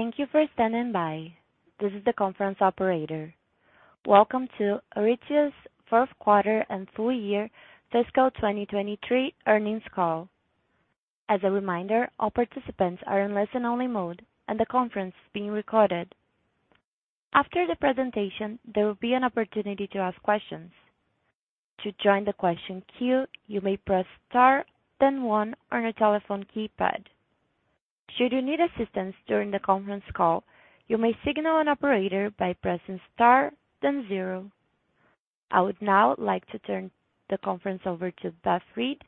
Thank you for standing by. This is the conference operator. Welcome to Aritzia's fourth quarter and full year fiscal 2023 earnings call. As a reminder, all participants are in listen only mode and the conference is being recorded. After the presentation, there will be an opportunity to ask questions. To join the question queue, you may press Star then one on your telephone keypad. Should you need assistance during the conference call, you may signal an operator by pressing Star then zero. I would now like to turn the conference over to Beth Dart,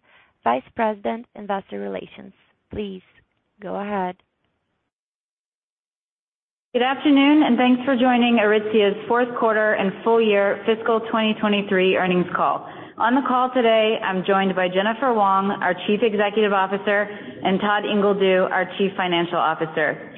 Vice President, Investor Relations. Please go ahead. Good afternoon, and thanks for joining Aritzia's fourth quarter and full year fiscal 2023 earnings call. On the call today, I'm joined by Jennifer Wong, our Chief Executive Officer, and Todd Ingledew, our Chief Financial Officer.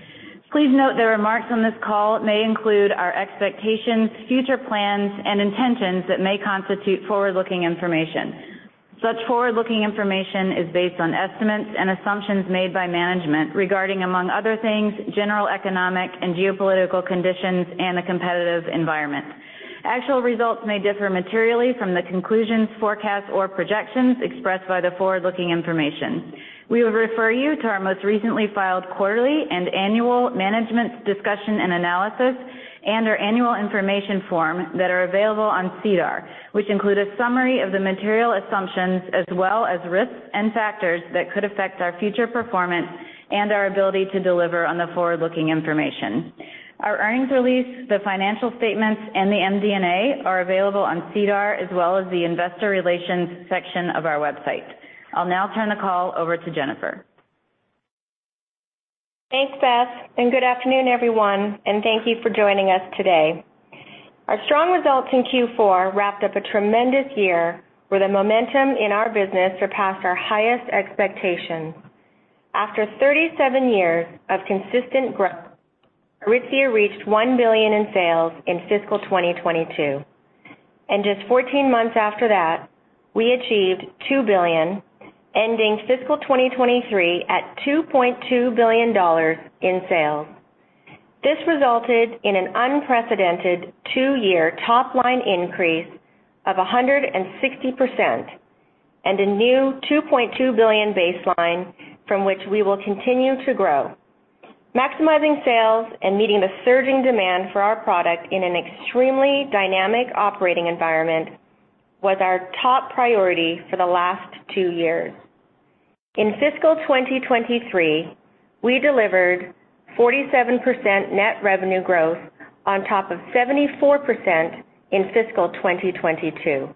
Please note the remarks on this call may include our expectations, future plans and intentions that may constitute forward-looking information. Such forward-looking information is based on estimates and assumptions made by management regarding, among other things, general economic and geopolitical conditions and the competitive environment. Actual results may differ materially from the conclusions, forecasts or projections expressed by the forward-looking information. We would refer you to our most recently filed quarterly and annual Management's Discussion and Analysis and our Annual Information Form that are available on SEDAR, which include a summary of the material assumptions as well as risks and factors that could affect our future performance and our ability to deliver on the forward-looking information. Our earnings release, the financial statements, and the MD&A are available on SEDAR, as well as the investor relations section of our website. I'll now turn the call over to Jennifer. Thanks, Beth Dart, and good afternoon, everyone, and thank you for joining us today. Our strong results in Q4 wrapped up a tremendous year where the momentum in our business surpassed our highest expectations. After 37 years of consistent growth, Aritzia reached 1 billion in sales in fiscal 2022, and just 14 months after that, we achieved 2 billion, ending fiscal 2023 $2.2 billion in sales. This resulted in an unprecedented two-year top line increase of 160% and a new 2.2 billion baseline from which we will continue to grow. Maximizing sales and meeting the surging demand for our product in an extremely dynamic operating environment was our top priority for the last two years. In fiscal 2023, we delivered 47% net revenue growth on top of 74% in fiscal 2022,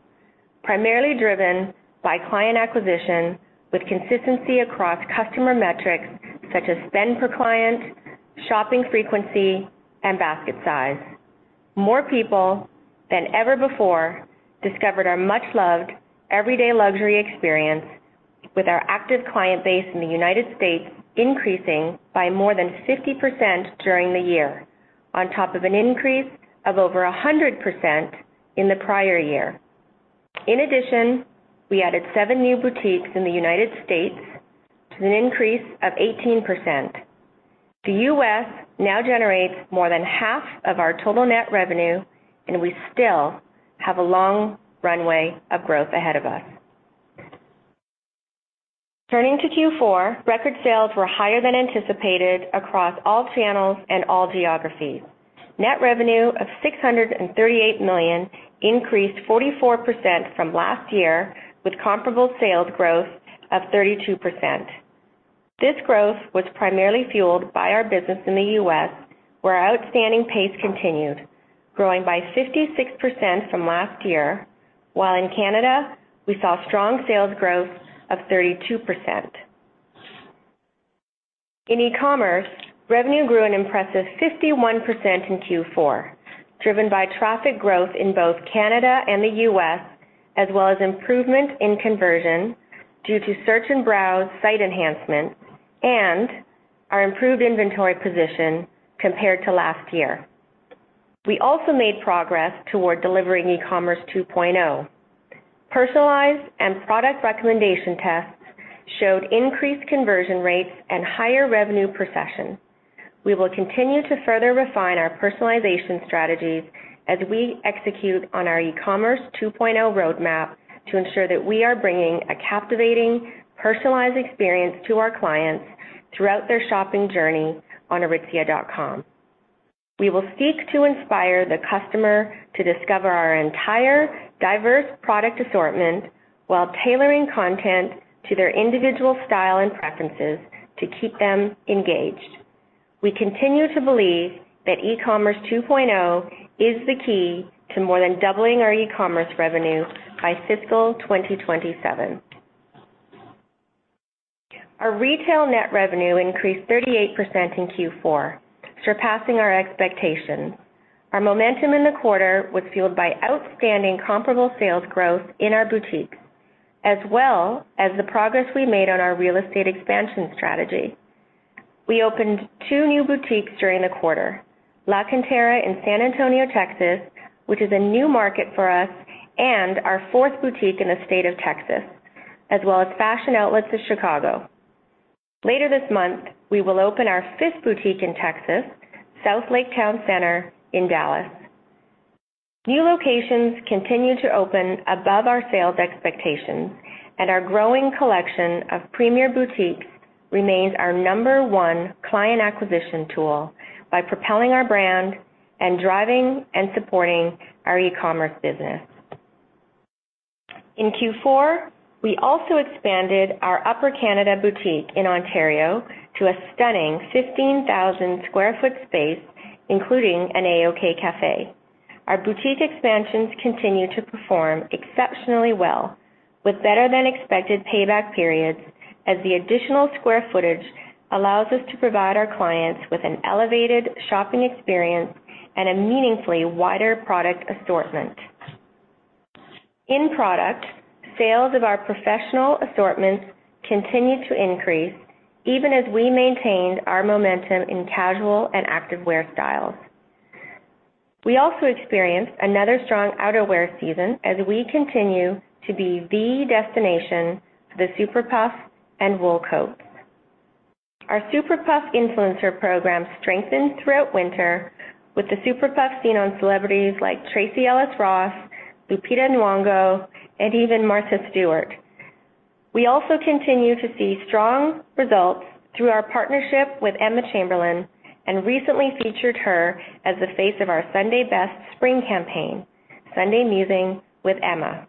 primarily driven by client acquisition with consistency across customer metrics such as spend per client, shopping frequency, and basket size. More people than ever before discovered our much loved everyday luxury experience with our active client base in the United States, increasing by more than 50% during the year, on top of an increase of over 100% in the prior year. In addition, we added seven new boutiques in the United States to an increase of 18%. The U.S. now generates more than half of our total net revenue, and we still have a long runway of growth ahead of us. Turning to Q4, record sales were higher than anticipated across all channels and all geographies. Net revenue of 638 million increased 44% from last year with comparable sales growth of 32%. This growth was primarily fueled by our business in the U.S., where outstanding pace continued, growing by 56% from last year, while in Canada we saw strong sales growth of 32%. In eCommerce, revenue grew an impressive 51% in Q4, driven by traffic growth in both Canada and the U.S., as well as improvement in conversion due to search and browse site enhancements and our improved inventory position compared to last year. We also made progress toward delivering eCommerce 2.0. Personalized and product recommendation tests showed increased conversion rates and higher revenue per session. We will continue to further refine our personalization strategies as we execute on our eCommerce 2.0 roadmap to ensure that we are bringing a captivating, personalized experience to our clients throughout their shopping journey on Aritzia.com. We will seek to inspire the customer to discover our entire diverse product assortment while tailoring content to their individual style and preferences to keep them engaged. We continue to believe that eCommerce 2.0 is the key to more than doubling our eCommerce revenue by fiscal 2027. Our retail net revenue increased 38% in Q4, surpassing our expectations. Our momentum in the quarter was fueled by outstanding comparable sales growth in our boutiques as well as the progress we made on our real estate expansion strategy. We opened two new boutiques during the quarter, La Cantera in San Antonio, Texas, which is a new market for us and our 4th boutique in the state of Texas. Fashion Outlets of Chicago. Later this month, we will open our 5th boutique in Texas, Southlake Town Center in Dallas. New locations continue to open above our sales expectations, and our growing collection of premier boutiques remains our number one client acquisition tool by propelling our brand and driving and supporting our eCommerce business. In Q4, we also expanded our Upper Canada boutique in Ontario to a stunning 15,000 sq ft space, including an A-OK Cafe. Our boutique expansions continue to perform exceptionally well with better-than-expected payback periods as the additional square footage allows us to provide our clients with an elevated shopping experience and a meaningfully wider product assortment. In product, sales of our professional assortments continued to increase even as we maintained our momentum in casual and activewear styles. We also experienced another strong outerwear season as we continue to be the destination for the Super Puff and wool coat. Our Super Puff influencer program strengthened throughout winter with the Super Puff seen on celebrities like Tracee Ellis Ross, Lupita Nyong'o, and even Martha Stewart. We also continue to see strong results through our partnership with Emma Chamberlain, and recently featured her as the face of our Sunday Best spring campaign, Sunday Musing with Emma.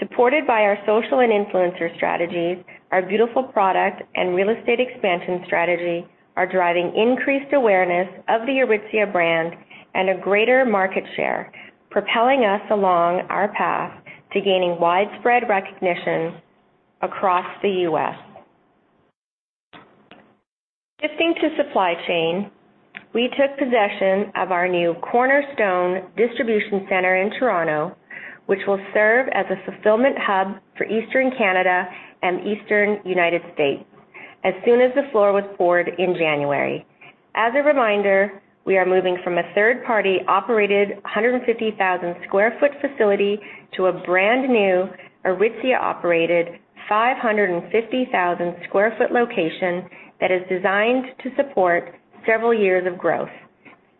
Supported by our social and influencer strategies, our beautiful product and real estate expansion strategy are driving increased awareness of the Aritzia brand and a greater market share, propelling us along our path to gaining widespread recognition across the U.S. Shifting to supply chain, we took possession of our new cornerstone distribution center in Toronto, which will serve as a fulfillment hub for Eastern Canada and Eastern United States as soon as the floor was poured in January. As a reminder, we are moving from a third-party operated 150,000 square foot facility to a brand new Aritzia operated 550,000 square foot location that is designed to support several years of growth.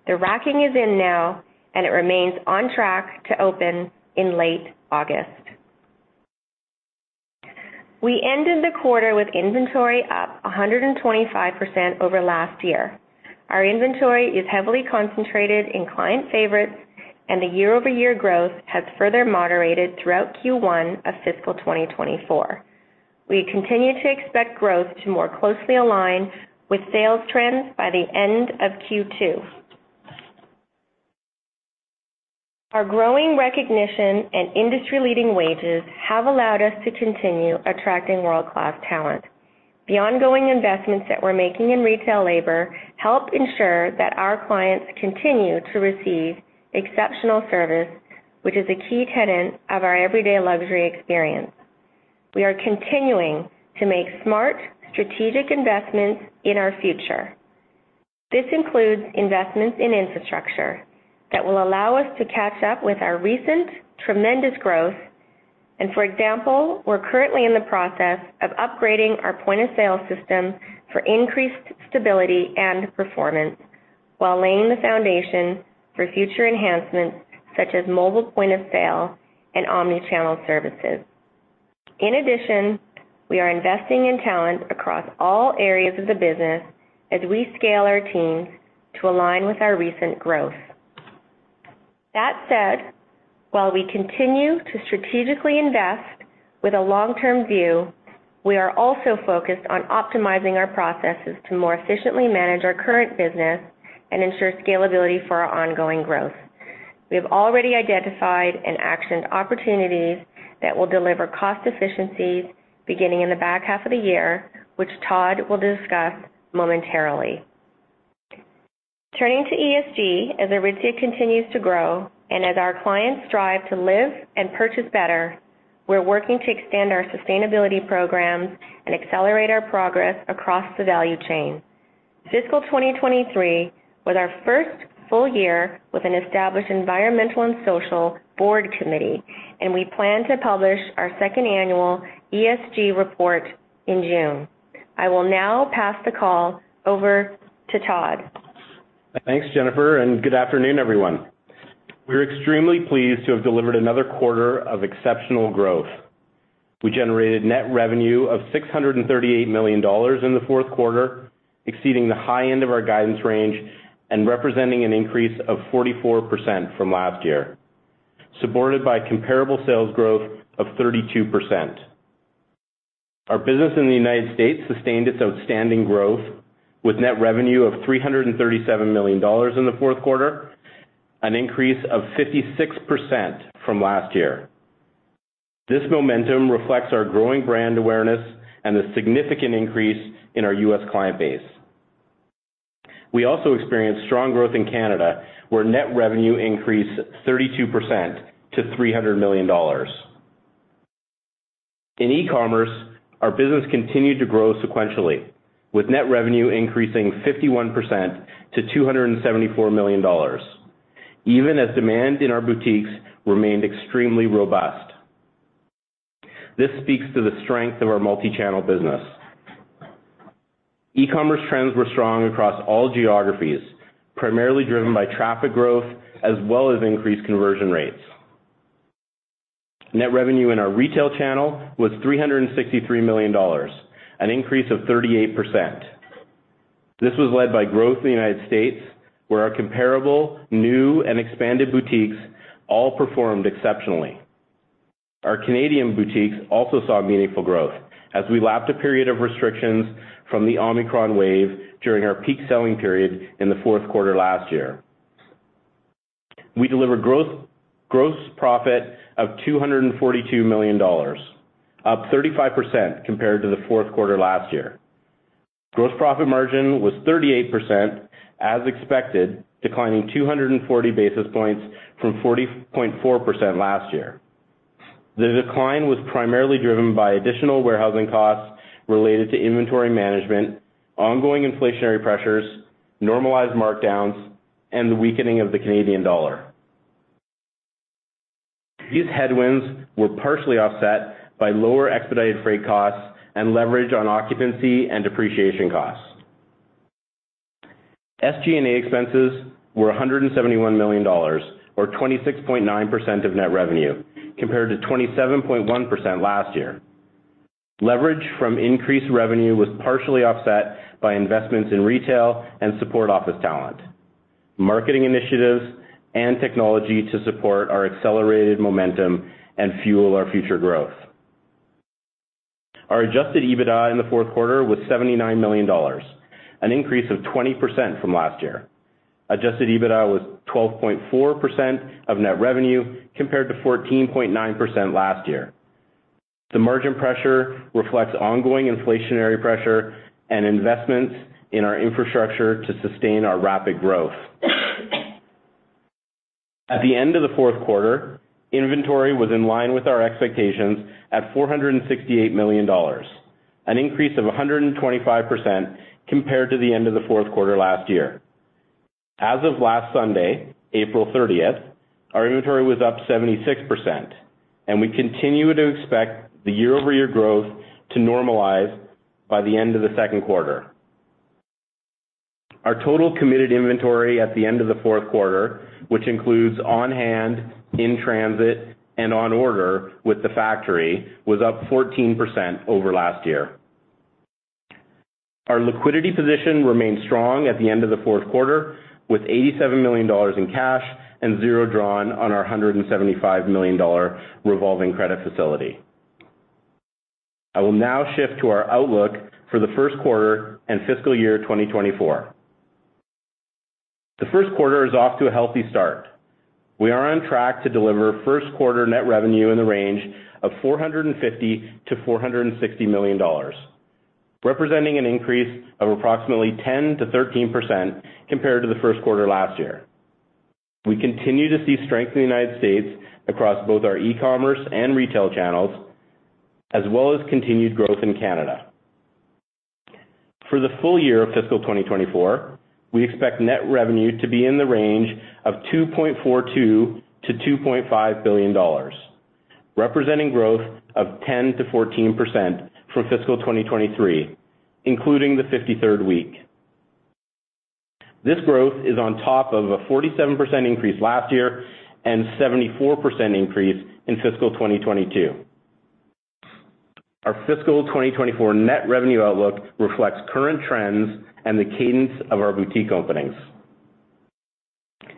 The racking is in now, and it remains on track to open in late August. We ended the quarter with inventory up 125% over last year. Our inventory is heavily concentrated in client favorites, and the year-over-year growth has further moderated throughout Q1 of fiscal 2024. We continue to expect growth to more closely align with sales trends by the end of Q2. Our growing recognition and industry-leading wages have allowed us to continue attracting world-class talent. The ongoing investments that we're making in retail labor help ensure that our clients continue to receive exceptional service, which is a key tenet of our everyday luxury experience. We are continuing to make smart strategic investments in our future. For example, we're currently in the process of upgrading our point-of-sale system for increased stability and performance while laying the foundation for future enhancements such as mobile point of sale and omni-channel services. In addition, we are investing in talent across all areas of the business as we scale our teams to align with our recent growth. That said, while we continue to strategically invest with a long-term view, we are also focused on optimizing our processes to more efficiently manage our current business and ensure scalability for our ongoing growth. We have already identified and actioned opportunities that will deliver cost efficiencies beginning in the back half of the year, which Todd will discuss momentarily. Turning to ESG, as Aritzia continues to grow and as our clients strive to live and purchase better, we're working to extend our sustainability programs and accelerate our progress across the value chain. Fiscal 2023 was our first full year with an established environmental and social board committee, and we plan to publish our second annual ESG report in June. I will now pass the call over to Todd. Thanks, Jennifer. Good afternoon, everyone. We're extremely pleased to have delivered another quarter of exceptional growth. We generated net revenue of $638 million in the fourth quarter, exceeding the high end of our guidance range and representing an increase of 44% from last year, supported by comparable sales growth of 32%. Our business in the U.S. sustained its outstanding growth with net revenue of $337 million in the fourth quarter, an increase of 56% from last year. This momentum reflects our growing brand awareness and the significant increase in our U.S. client base. We also experienced strong growth in Canada, where net revenue increased 32% to $300 million. In eCommerce, our business continued to grow sequentially, with net revenue increasing 51% to $274 million. Even as demand in our boutiques remained extremely robust. This speaks to the strength of our multi-channel business. eCommerce trends were strong across all geographies, primarily driven by traffic growth as well as increased conversion rates. Net revenue in our retail channel was $363 million, an increase of 38%. This was led by growth in the United States, where our comparable new and expanded boutiques all performed exceptionally. Our Canadian boutiques also saw meaningful growth as we lapped a period of restrictions from the Omicron wave during our peak selling period in the fourth quarter last year. We delivered growth-gross profit of $242 million, up 35% compared to the fourth quarter last year. Gross profit margin was 38% as expected, declining 240 basis points from 40.4% last year. The decline was primarily driven by additional warehousing costs related to inventory management, ongoing inflationary pressures, normalized markdowns, and the weakening of the Canadian dollar. These headwinds were partially offset by lower expedited freight costs and leverage on occupancy and depreciation costs. SG&A expenses were $171 million or 26.9% of net revenue, compared to 27.1% last year. Leverage from increased revenue was partially offset by investments in retail and support office talent, marketing initiatives and technology to support our accelerated momentum and fuel our future growth. Our adjusted EBITDA in the fourth quarter was $79 million, an increase of 20% from last year. Adjusted EBITDA was 12.4% of net revenue, compared to 14.9% last year. The margin pressure reflects ongoing inflationary pressure and investments in our infrastructure to sustain our rapid growth. At the end of the fourth quarter, inventory was in line with our expectations at $468 million, an increase of 125% compared to the end of the fourth quarter last year. As of last Sunday, April 30th, our inventory was up 76%, and we continue to expect the year-over-year growth to normalize by the end of the second quarter. Our total committed inventory at the end of the fourth quarter, which includes on-hand, in transit, and on order with the factory, was up 14% over last year. Our liquidity position remained strong at the end of the fourth quarter, with $87 million in cash and zero drawn on our $175 million revolving credit facility. I will now shift to our outlook for the first quarter and fiscal year 2024. The first quarter is off to a healthy start. We are on track to deliver first quarter net revenue in the range of $450 million- $460 million, representing an increase of approximately 10%-13% compared to the first quarter last year. We continue to see strength in the United States across both our eCommerce and retail channels, as well as continued growth in Canada. For the full year of fiscal 2024, we expect net revenue to be in the range of $2.42 billion-$2.5 billion, representing growth of 10%-14% from fiscal 2023, including the 53rd week. This growth is on top of a 47% increase last year and 74% increase in fiscal 2022. Our fiscal 2024 net revenue outlook reflects current trends and the cadence of our boutique openings.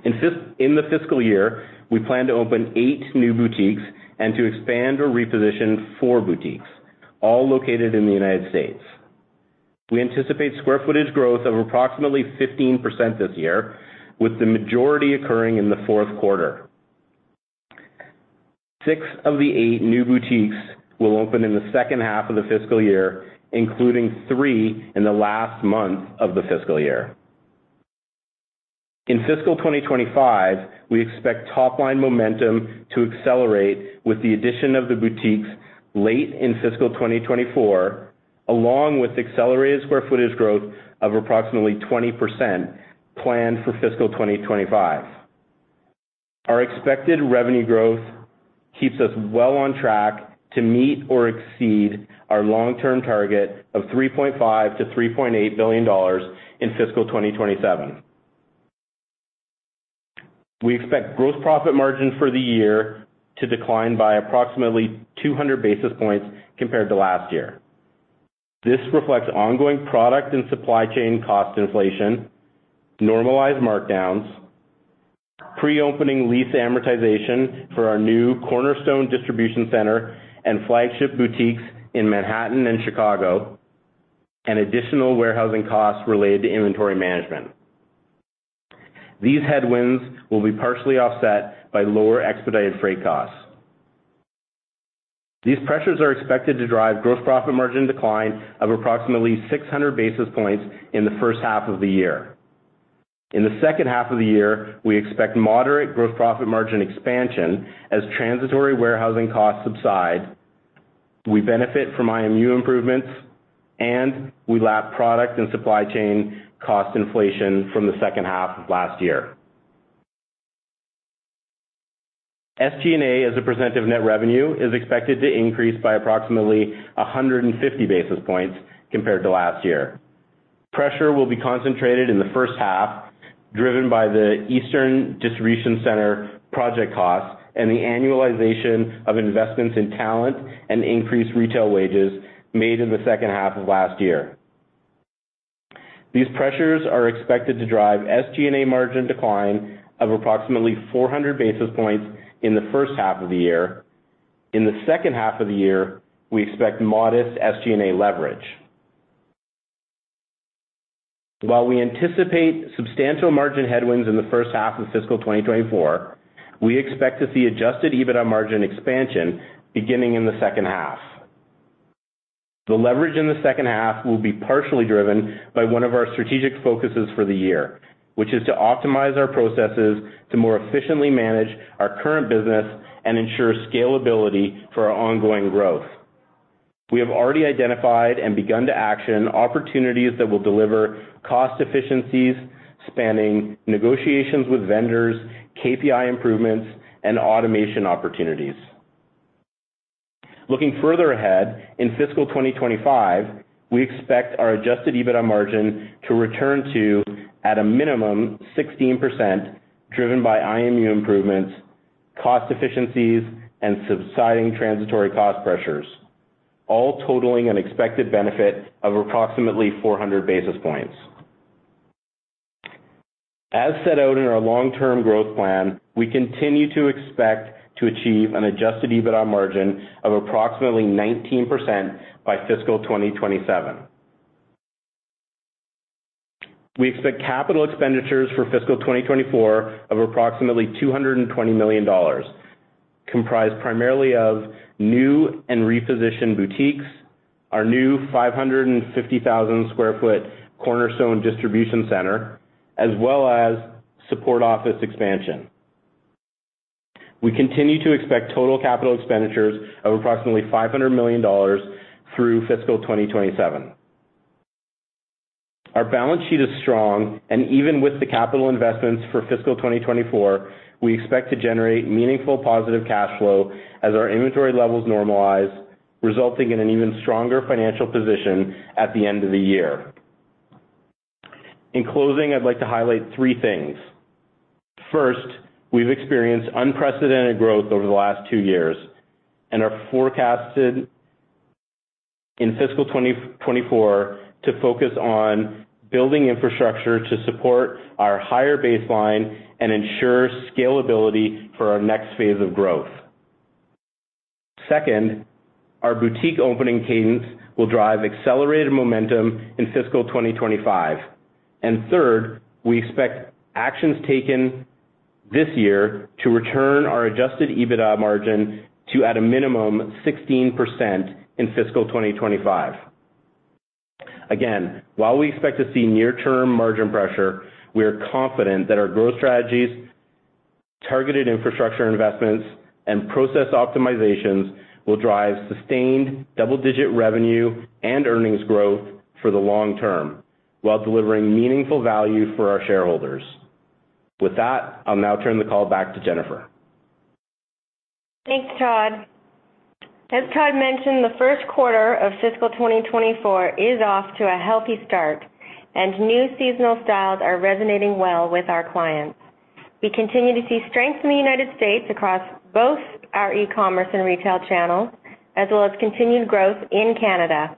In the fiscal year, we plan to open eight new boutiques and to expand or reposition four boutiques, all located in the United States. We anticipate square footage growth of approximately 15% this year, with the majority occurring in the fourth quarter. Six of the eight new boutiques will open in the second half of the fiscal year, including three in the last month of the fiscal year. In fiscal 2025, we expect top-line momentum to accelerate with the addition of the boutiques late in fiscal 2024, along with accelerated square footage growth of approximately 20% planned for fiscal 2025. Our expected revenue growth keeps us well on track to meet or exceed our long-term target of $3.5 billion-$3.8 billion in fiscal 2027. We expect gross profit margin for the year to decline by approximately 200 basis points compared to last year. This reflects ongoing product and supply chain cost inflation, normalized markdowns, pre-opening lease amortization for our new cornerstone distribution center and flagship boutiques in Manhattan and Chicago, and additional warehousing costs related to inventory management. These headwinds will be partially offset by lower expedited freight costs. These pressures are expected to drive gross profit margin decline of approximately 600 basis points in the first half of the year. In the second half of the year, we expect moderate gross profit margin expansion as transitory warehousing costs subside. We benefit from IMU improvements, and we lap product and supply chain cost inflation from the second half of last year. SG&A as a % of net revenue is expected to increase by approximately 150 basis points compared to last year. Pressure will be concentrated in the first half, driven by the Eastern Distribution Centre project costs and the annualization of investments in talent and increased retail wages made in the second half of last year. These pressures are expected to drive SG&A margin decline of approximately 400 basis points in the first half of the year. In the second half of the year, we expect modest SG&A leverage. While we anticipate substantial margin headwinds in the first half of fiscal 2024, we expect to see adjusted EBITDA margin expansion beginning in the second half. The leverage in the second half will be partially driven by one of our strategic focuses for the year, which is to optimize our processes to more efficiently manage our current business and ensure scalability for our ongoing growth. We have already identified and begun to action opportunities that will deliver cost efficiencies, spanning negotiations with vendors, KPI improvements, and automation opportunities. Looking further ahead, in fiscal 2025, we expect our adjusted EBITDA margin to return to, at a minimum, 16%, driven by IMU improvements, cost efficiencies, and subsiding transitory cost pressures, all totaling an expected benefit of approximately 400 basis points. As set out in our long-term growth plan, we continue to expect to achieve an adjusted EBITDA margin of approximately 19% by fiscal 2027. We expect capital expenditures for fiscal 2024 of approximately $220 million, comprised primarily of new and repositioned boutiques, our new 550,000 sq ft cornerstone Distribution Centre, as well as support office expansion. We continue to expect total capital expenditures of approximately $500 million through fiscal 2027. Our balance sheet is strong, and even with the capital investments for fiscal 2024, we expect to generate meaningful positive cash flow as our inventory levels normalize, resulting in an even stronger financial position at the end of the year. In closing, I'd like to highlight three things. First, we've experienced unprecedented growth over the last two years and are forecasted in fiscal 2024 to focus on building infrastructure to support our higher baseline and ensure scalability for our next phase of growth. Second, our boutique opening cadence will drive accelerated momentum in fiscal 2025. Third, we expect actions taken this year to return our adjusted EBITDA margin to, at a minimum, 16% in fiscal 2025. While we expect to see near-term margin pressure, we are confident that our growth strategies, targeted infrastructure investments, and process optimizations will drive sustained double-digit revenue and earnings growth for the long term while delivering meaningful value for our shareholders. With that, I'll now turn the call back to Jennifer. Thanks, Todd. As Todd mentioned, the first quarter of fiscal 2024 is off to a healthy start, and new seasonal styles are resonating well with our clients. We continue to see strength in the United States across both our eCommerce and retail channels, as well as continued growth in Canada.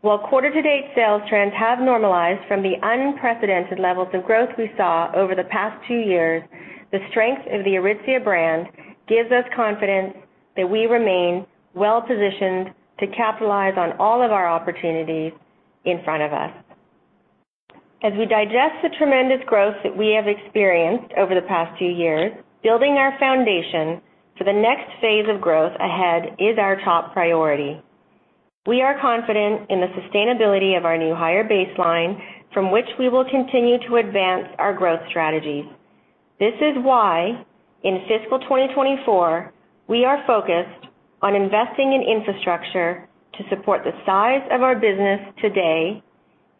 While quarter to date sales trends have normalized from the unprecedented levels of growth we saw over the past two years, the strength of the Aritzia brand gives us confidence that we remain well-positioned to capitalize on all of our opportunities in front of us. As we digest the tremendous growth that we have experienced over the past two years, building our foundation for the next phase of growth ahead is our top priority. We are confident in the sustainability of our new higher baseline from which we will continue to advance our growth strategies. This is why in fiscal 2024, we are focused on investing in infrastructure to support the size of our business today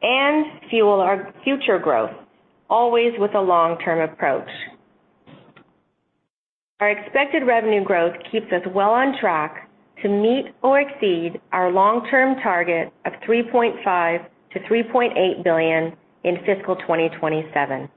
and fuel our future growth, always with a long-term approach. Our expected revenue growth keeps us well on track to meet or exceed our long-term target of 3.5 billion-3.8 billion in fiscal 2027.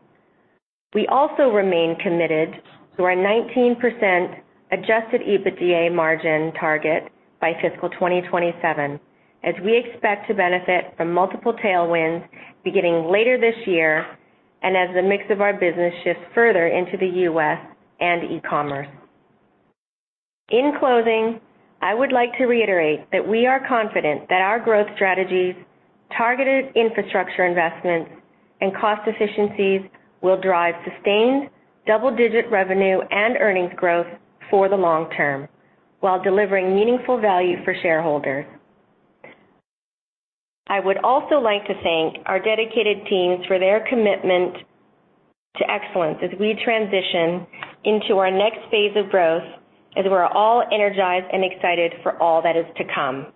We also remain committed to our 19% adjusted EBITDA margin target by fiscal 2027 as we expect to benefit from multiple tailwinds beginning later this year and as the mix of our business shifts further into the U.S. and e-commerce. In closing, I would like to reiterate that we are confident that our growth strategies, targeted infrastructure investments, and cost efficiencies will drive sustained double-digit revenue and earnings growth for the long term while delivering meaningful value for shareholders. I would also like to thank our dedicated teams for their commitment to excellence as we transition into our next phase of growth, as we're all energized and excited for all that is to come.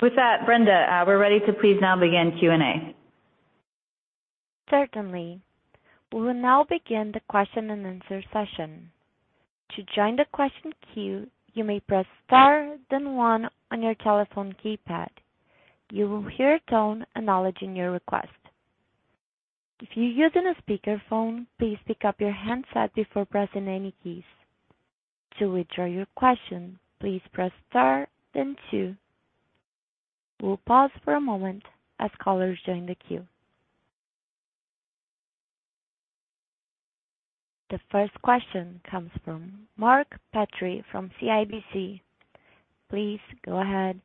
With that, Brenda, we're ready to please now begin Q&A. Certainly. We will now begin the question-and-answer session. To join the question queue, you may press Star then one on your telephone keypad. You will hear a tone acknowledging your request. If you're using a speakerphone, please pick up your handset before pressing any keys. To withdraw your question, please press Star then two. We'll pause for a moment as callers join the queue. The first question comes from Mark Petrie from CIBC. Please go ahead.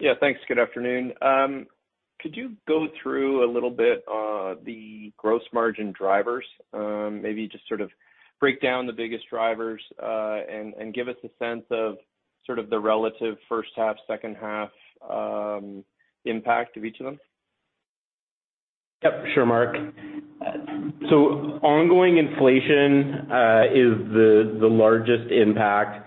Yeah, thanks. Good afternoon. Could you go through a little bit on the gross margin drivers? Maybe just sort of break down the biggest drivers, and give us a sense of sort of the relative first half, second half, impact of each of them. Yep, sure, Mark. Ongoing inflation is the largest impact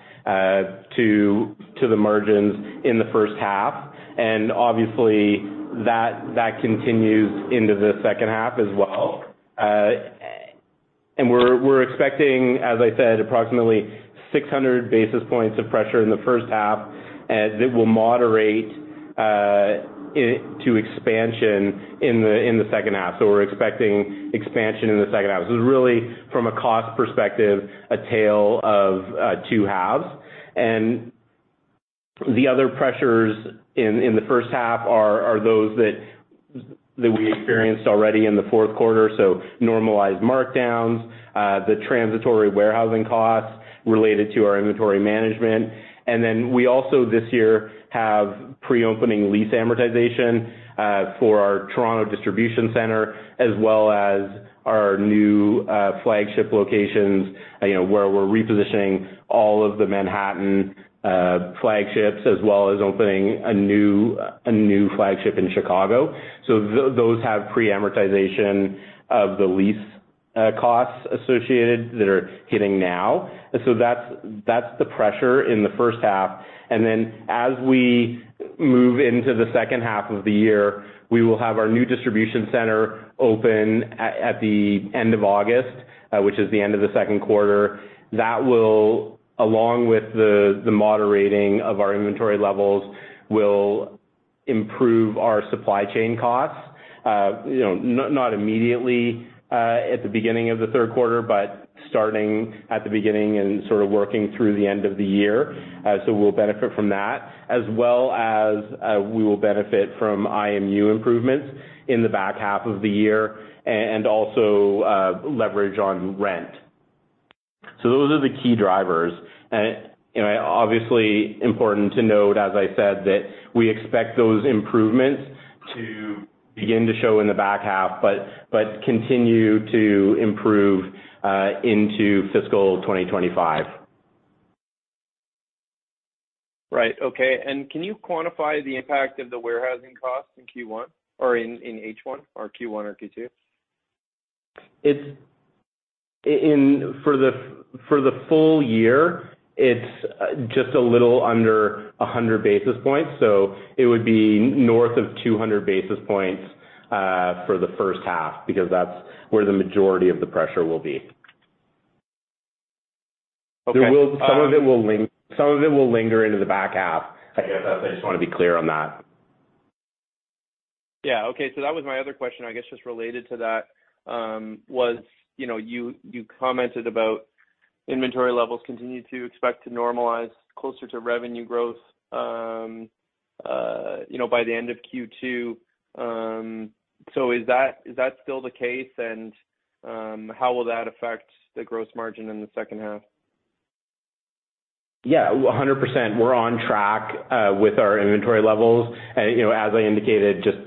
to the margins in the first half, and obviously, that continues into the second half as well. We're expecting, as I said, approximately 600 basis points of pressure in the first half, and it will moderate to expansion in the second half. We're expecting expansion in the second half. This is really from a cost perspective, a tale of two halves. The other pressures in the first half are those that we experienced already in the fourth quarter. Normalized markdowns, the transitory warehousing costs related to our inventory management. We also this year have pre-opening lease amortization for our Toronto Distribution Center, as well as our new flagship locations, you know, where we're repositioning all of the Manhattan flagships, as well as opening a new flagship in Chicago. Those have pre-amortization of the lease costs associated that are hitting now. That's the pressure in the first half. As we move into the second half of the year, we will have our new Distribution Center open at the end of August, which is the end of the second quarter. That will, along with the moderating of our inventory levels, will improve our supply chain costs, you know, not immediately at the beginning of the third quarter, but starting at the beginning and sort of working through the end of the year. We'll benefit from that as well as, we will benefit from IMU improvements in the back half of the year and also, leverage on rent. Those are the key drivers. You know, obviously important to note, as I said, that we expect those improvements to begin to show in the back half, but continue to improve, into fiscal 2025. Right. Okay. Can you quantify the impact of the warehousing costs in Q1 or in H1 or Q1 or Q2? For the full year, it's just a little under 100 basis points, so it would be north of 200 basis points, for the first half, because that's where the majority of the pressure will be. Okay. Some of it will linger into the back half. I guess I just want to be clear on that. Yeah. Okay. That was my other question, I guess, just related to that, was, you know, you commented about inventory levels continue to expect to normalize closer to revenue growth, you know, by the end of Q2. Is that, is that still the case? How will that affect the gross margin in the second half? Yeah, 100%. We're on track with our inventory levels. You know, as I indicated, just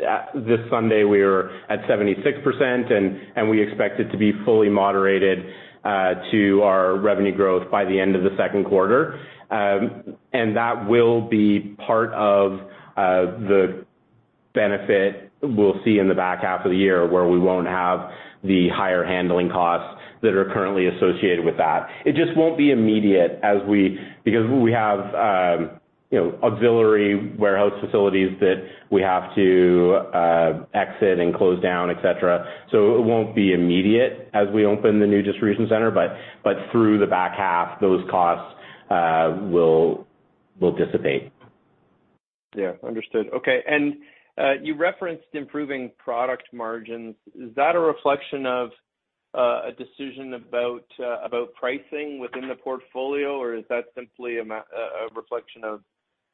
this Sunday, we were at 76%, and we expect it to be fully moderated to our revenue growth by the end of the second quarter. That will be part of the benefit we'll see in the back half of the year where we won't have the higher handling costs that are currently associated with that. It just won't be immediate because we have, you know, auxiliary warehouse facilities that we have to exit and close down, et cetera. It won't be immediate as we open the new Distribution Centre, but through the back half, those costs will dissipate. Yeah, understood. Okay. And you referenced improving product margins. Is that a reflection of a decision about pricing within the portfolio, or is that simply a reflection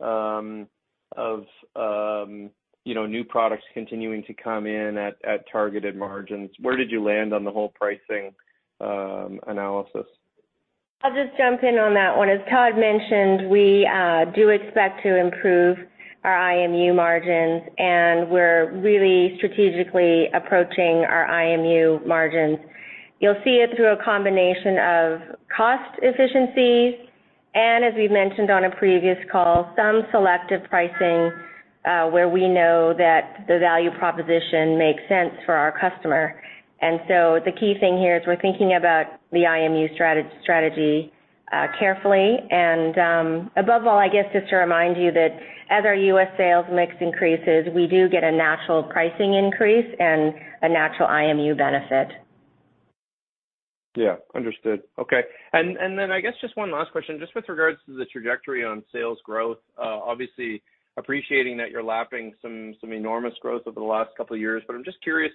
of, you know, new products continuing to come in at targeted margins? Where did you land on the whole pricing analysis? I'll just jump in on that one. As Todd mentioned, we do expect to improve our IMU margins, and we're really strategically approaching our IMU margins. You'll see it through a combination of cost efficiencies, and as we mentioned on a previous call, some selective pricing where we know that the value proposition makes sense for our customer. The key thing here is we're thinking about the IMU strategy carefully. Above all, I guess, just to remind you that as our U.S. sales mix increases, we do get a natural pricing increase and a natural IMU benefit. Yeah, understood. Okay. Then I guess just one last question, just with regards to the trajectory on sales growth. obviously appreciating that you're lapping some enormous growth over the last couple of years. I'm just curious,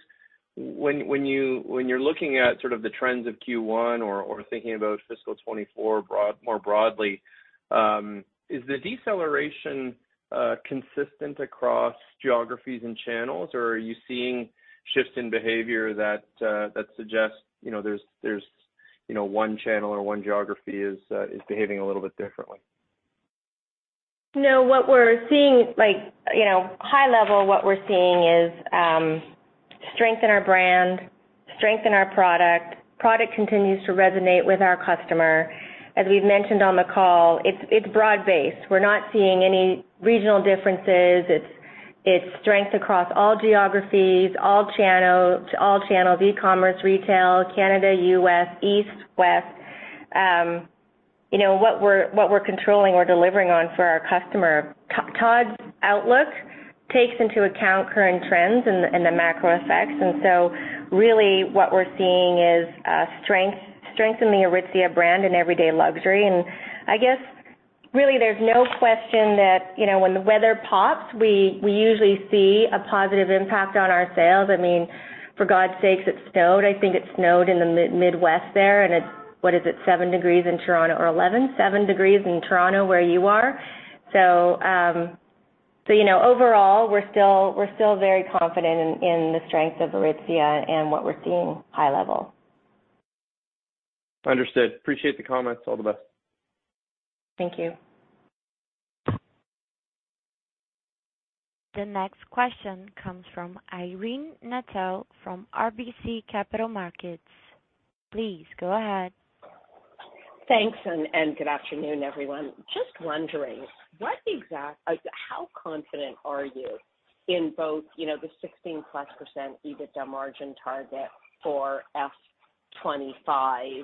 when you're looking at sort of the trends of Q1 or thinking about fiscal 2024 more broadly, is the deceleration consistent across geographies and channels, or are you seeing shifts in behavior that suggest, you know, there's, you know, one channel or one geography is behaving a little bit differently? No. What we're seeing like, you know, high level, what we're seeing is strength in our brand, strength in our product. Product continues to resonate with our customer. As we've mentioned on the call, it's broad-based. We're not seeing any regional differences. It's strength across all geographies, all channels, eCommerce, retail, Canada, U.S., East, West. You know, what we're controlling or delivering on for our customer. Todd's outlook takes into account current trends and the macro effects. Really what we're seeing is strength in the Aritzia brand and everyday luxury. I guess really there's no question that, you know, when the weather pops, we usually see a positive impact on our sales. I mean, for God's sakes, it snowed. I think it snowed in the mid-Midwest there. What is it, seven degrees in Toronto or 11? Seven degrees in Toronto where you are. You know, overall, we're still very confident in the strength of Aritzia and what we're seeing high level. Understood. Appreciate the comments. All the best. Thank you. The next question comes from Irene Nattel from RBC Capital Markets. Please go ahead. Thanks, good afternoon, everyone. Just wondering how confident are you in both, you know, the 16%+ EBITDA margin target for F25?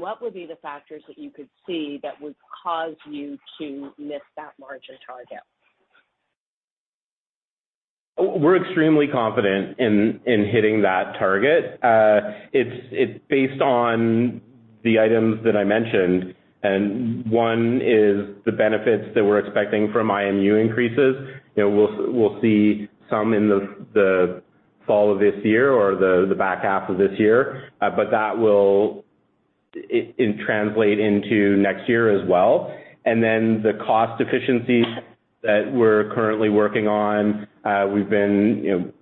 What would be the factors that you could see that would cause you to miss that margin target? We're extremely confident in hitting that target. It's based on the items that I mentioned. One is the benefits that we're expecting from IMU increases. You know, we'll see some in the fall of this year or the back half of this year. But that will translate into next year as well. Then the cost efficiencies that we're currently working on. We've been, you know,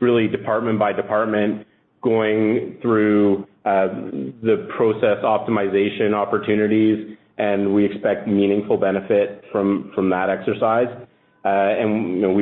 really department by department, going through the process optimization opportunities, and we expect meaningful benefit from that exercise. You know,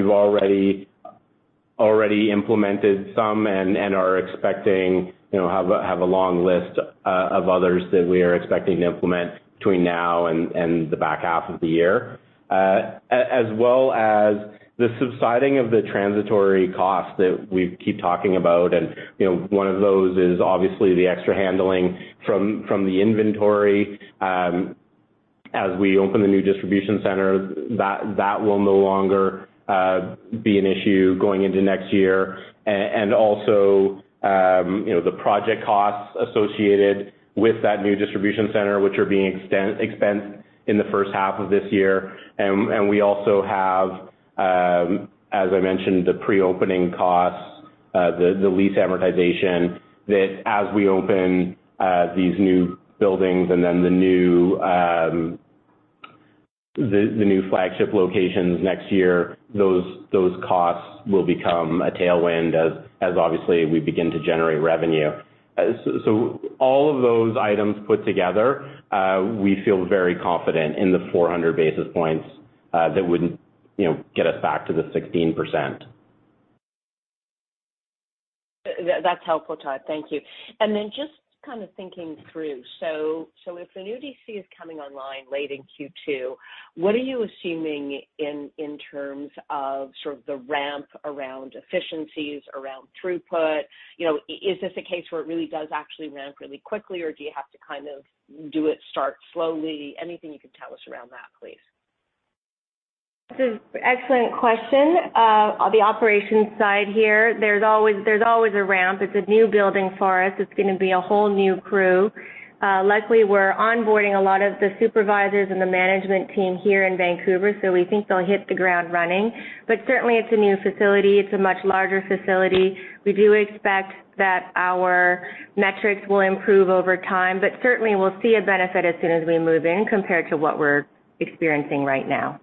we've already implemented some and are expecting, you know, have a long list of others that we are expecting to implement between now and the back half of the year. As well as the subsiding of the transitory costs that we keep talking about. You know, one of those is obviously the extra handling from the inventory. As we open the new Distribution Centre, that will no longer be an issue going into next year. Also, you know, the project costs associated with that new Distribution Centre, which are being expensed in the first half of this year. We also have, as I mentioned, the pre-opening costs, the lease amortization that as we open these new buildings and then the new flagship locations next year, those costs will become a tailwind as obviously we begin to generate revenue. All of those items put together, we feel very confident in the 400 basis points, that would, you know, get us back to the 16%. That's helpful, Todd. Thank you. Just kind of thinking through. If the new DC is coming online late in Q2, what are you assuming in terms of sort of the ramp around efficiencies, around throughput? You know, is this a case where it really does actually ramp really quickly, or do you have to kind of do it start slowly? Anything you can tell us around that, please. It's an excellent question. On the operations side here, there's always a ramp. It's a new building for us. It's going to be a whole new crew. Luckily, we're onboarding a lot of the supervisors and the management team here in Vancouver, we think they'll hit the ground running. Certainly it's a new facility. It's a much larger facility. We do expect that our metrics will improve over time, certainly we'll see a benefit as soon as we move in compared to what we're experiencing right now.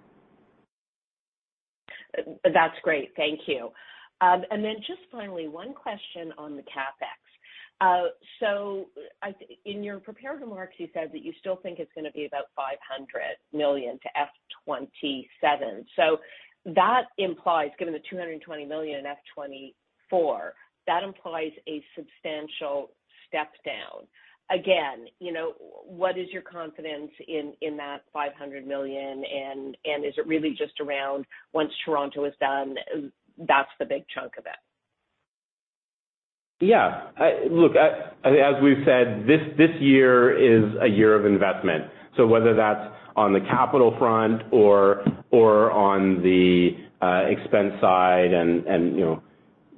That's great. Thank you. Just finally, one question on the CapEx. In your prepared remarks, you said that you still think it's going to be about 500 million to F2027. That implies, given the 220 million in F2024, that implies a substantial Step down. Again, you know, what is your confidence in that 500 million? Is it really just around once Toronto is done, that's the big chunk of it? Yeah. Look, I, as we've said, this year is a year of investment. Whether that's on the capital front or on the expense side and, you know,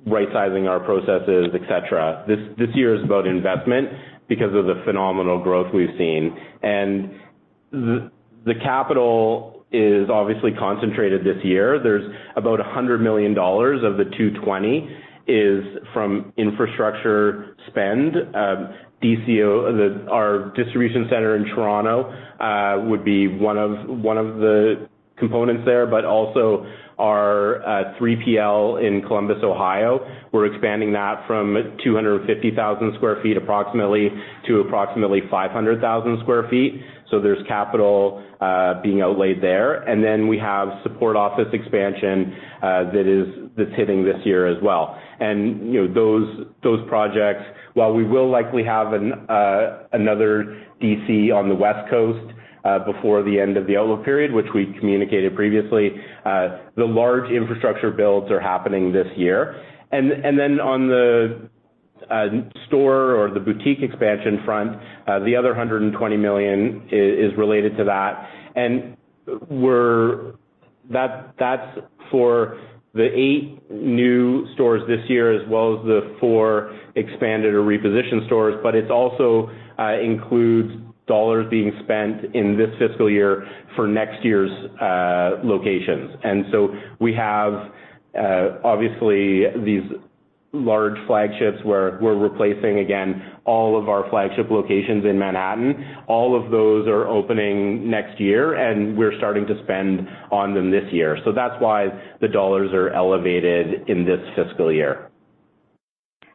rightsizing our processes, et cetera, this year is about investment because of the phenomenal growth we've seen. The capital is obviously concentrated this year. There's about $100 million of the 220 is from infrastructure spend. DC, our Distribution Centre in Toronto would be one of the components there, but also our 3PL in Columbus, Ohio. We're expanding that from 250,000 sq ft approximately to approximately 500,000 sq ft. There's capital being outlaid there. We have support office expansion that's hitting this year as well. You know, those projects, while we will likely have another DC on the West Coast before the end of the lull period, which we communicated previously, the large infrastructure builds are happening this year. Then on the store or the boutique expansion front, the other 120 million is related to that. That's for the eight new stores this year as well as the four expanded or repositioned stores, but it also includes dollars being spent in this fiscal year for next year's locations. We have, obviously, these large flagships where we're replacing, again, all of our flagship locations in Manhattan. All of those are opening next year, and we're starting to spend on them this year. That's why the dollars are elevated in this fiscal year.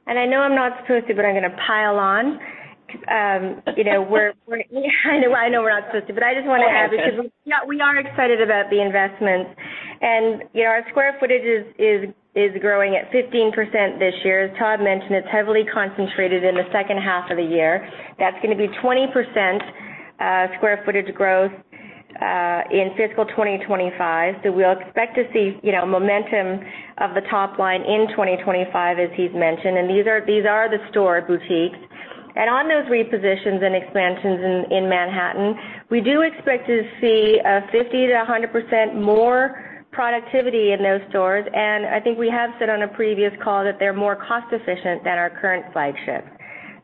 I know I'm not supposed to, but I'm going to pile on. you know, I know we're not supposed to, but I just want to add- Go ahead, Jen.... because we are excited about the investments. You know, our square footage is growing at 15% this year. As Todd mentioned, it's heavily concentrated in the second half of the year. That's going to be 20% square footage growth in fiscal 2025. We'll expect to see, you know, momentum of the top line in 2025, as he's mentioned. These are the store boutiques. On those repositions and expansions in Manhattan, we do expect to see a 50%-100% more productivity in those stores. I think we have said on a previous call that they're more cost efficient than our current flagship.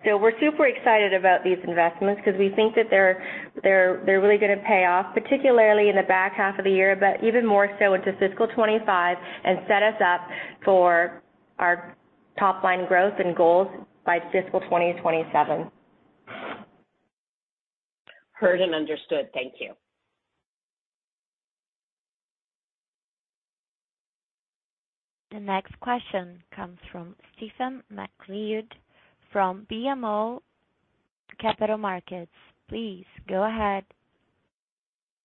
We're super excited about these investments because we think that they're really going to pay off, particularly in the back half of the year, but even more so into fiscal 2025 and set us up for our top line growth and goals by fiscal 2027. Heard and understood. Thank you. The next question comes from Stephen MacLeod from BMO Capital Markets. Please go ahead.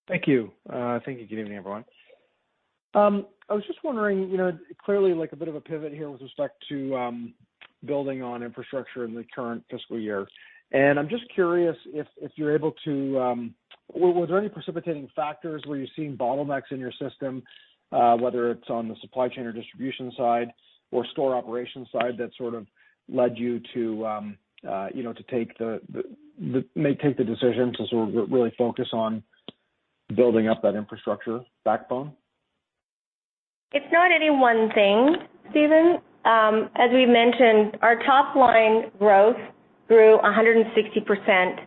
Thank you. Thank you. Good evening, everyone. I was just wondering, you know, clearly like a bit of a pivot here with respect to building on infrastructure in the current fiscal year. I'm just curious if you're able to. Was there any precipitating factors? Were you seeing bottlenecks in your system, whether it's on the supply chain or distribution side or store operations side that sort of led you to, you know, to take the decision to sort of really focus on building up that infrastructure backbone? It's not any one thing, Stephen. As we mentioned, our top line growth grew 160%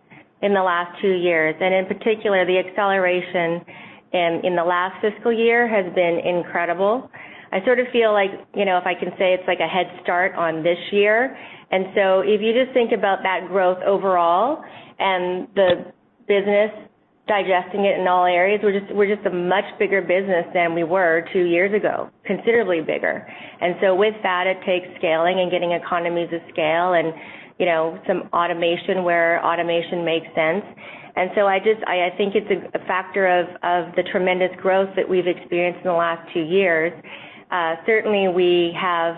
in the last two years, in particular, the acceleration in the last fiscal year has been incredible. I sort of feel like, you know, if I can say it's like a head start on this year. If you just think about that growth overall and the business digesting it in all areas, we're just a much bigger business than we were two years ago, considerably bigger. With that, it takes scaling and getting economies of scale and, you know, some automation where automation makes sense. I think it's a factor of the tremendous growth that we've experienced in the last two years. Certainly we have,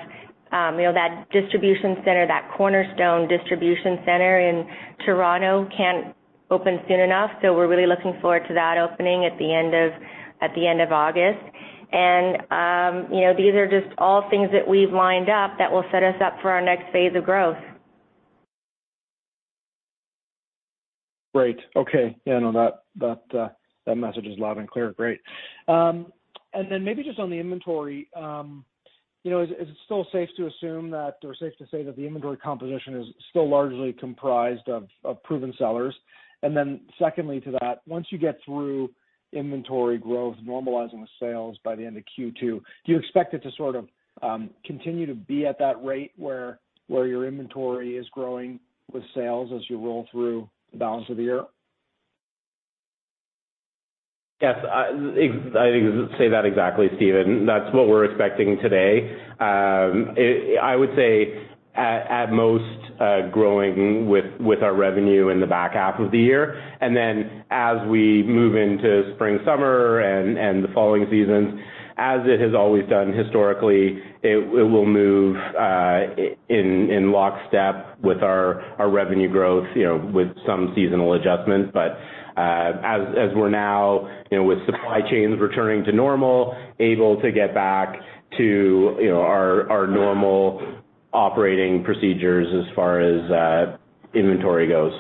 you know, that distribution center, that cornerstone distribution center in Toronto can't open soon enough. We're really looking forward to that opening at the end of August. You know, these are just all things that we've lined up that will set us up for our next phase of growth. Great. Okay. Yeah, no, that message is loud and clear. Great. And then maybe just on the inventory, you know, is it, is it still safe to assume that or safe to say that the inventory composition is still largely comprised of proven sellers? Secondly to that, once you get through inventory growth normalizing with sales by the end of Q2, do you expect it to sort of continue to be at that rate where your inventory is growing with sales as you roll through the balance of the year? Yes, I think say that exactly, Stephen. That's what we're expecting today. I would say at most, growing with our revenue in the back half of the year. Then as we move into spring, summer, and the following seasons, as it has always done historically, it will move in lockstep with our revenue growth, you know, with some seasonal adjustments. As we're now, you know, with supply chains returning to normal, able to get back to, you know, our normal operating procedures as far as inventory goes.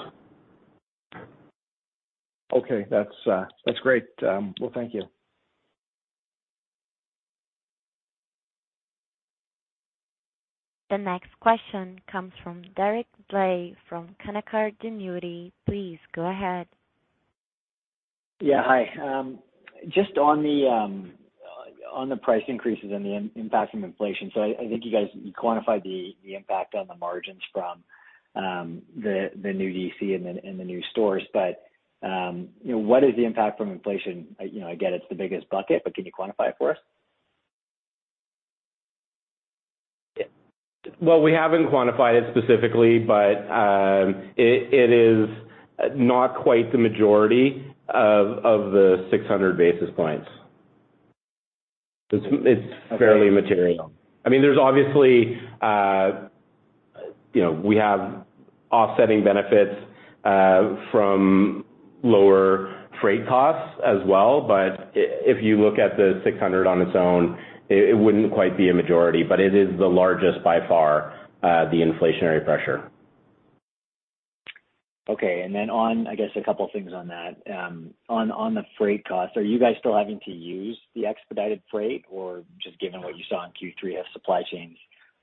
That's great. Well, thank you. The next question comes from Derek Dley from Canaccord Genuity. Please go ahead. Yeah. Hi. Just on the price increases and the impact from inflation. I think you guys quantified the impact on the margins from the new DC and the new stores. You know, what is the impact from inflation? You know, I get it's the biggest bucket, but can you quantify it for us? We haven't quantified it specifically, but it is not quite the majority of the 600 basis points. It's fairly material. I mean, there's obviously, you know, we have offsetting benefits from lower freight costs as well, but if you look at the 600 on its own, it wouldn't quite be a majority, but it is the largest by far, the inflationary pressure. Okay. On... I guess a couple things on that. On the freight costs, are you guys still having to use the expedited freight, or just given what you saw in Q3, have supply chains,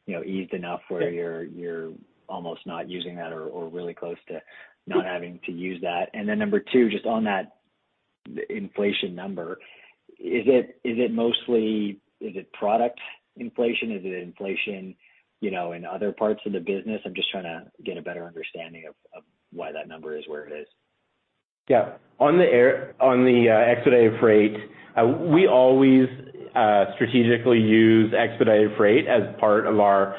you know, eased enough where you're almost not using that or really close to not having to use that? Number two, just on that inflation number, is it mostly... is it product inflation? Is it inflation, you know, in other parts of the business? I'm just trying to get a better understanding of why that number is where it is. Yeah. On the expedited freight, we always strategically use expedited freight as part of our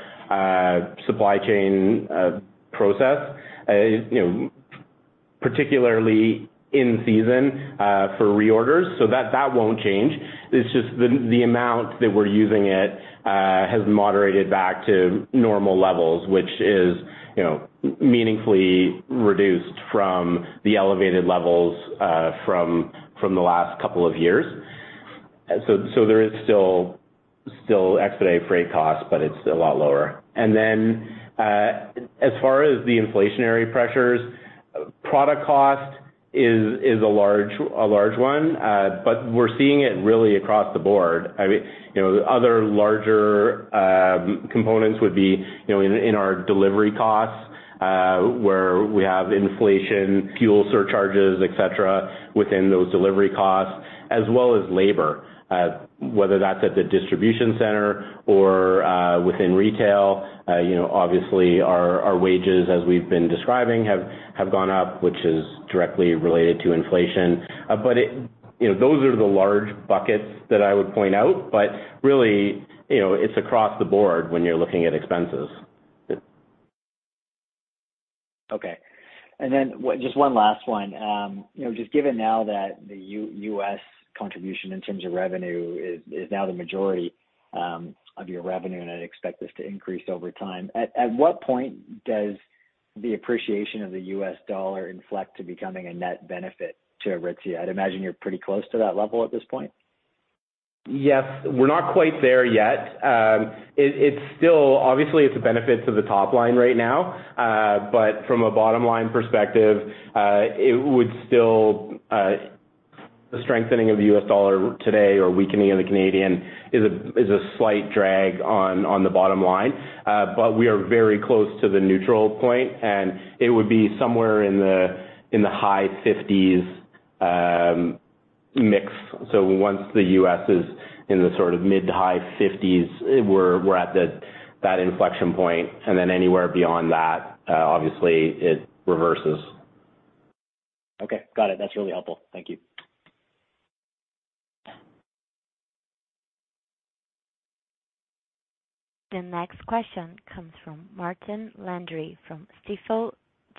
supply chain process, you know, particularly in season for reorders. That won't change. It's just the amount that we're using it has moderated back to normal levels, which is, you know, meaningfully reduced from the elevated levels from the last couple of years. There is still expedited freight costs, but it's a lot lower. Then, as far as the inflationary pressures, product cost is a large one. We're seeing it really across the board. I mean, you know, other larger components would be, you know, in our delivery costs, where we have inflation, fuel surcharges, etcetera, within those delivery costs, as well as labor, whether that's at the distribution center or within retail. You know, obviously our wages, as we've been describing, have gone up, which is directly related to inflation. You know, those are the large buckets that I would point out, but really, you know, it's across the board when you're looking at expenses. Just one last one. You know, just given now that the U.S. contribution in terms of revenue is now the majority, of your revenue, and I'd expect this to increase over time. At what point does the appreciation of the U.S. dollar inflect to becoming a net benefit to Aritzia? I'd imagine you're pretty close to that level at this point. Yes. We're not quite there yet. It's still. Obviously, it's a benefit to the top line right now. From a bottom-line perspective, it would still, the strengthening of the US dollar today or weakening of the Canadian is a slight drag on the bottom line. We are very close to the neutral point, and it would be somewhere in the high fifties mix. Once the US is in the sort of mid to high fifties, we're at that inflection point, anywhere beyond that, obviously it reverses. Okay. Got it. That's really helpful. Thank you. The next question comes from Martin Landry from Stifel